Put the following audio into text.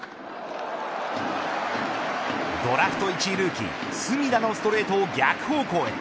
ドラフト１位ルーキー隅田のストレートを逆方向へ。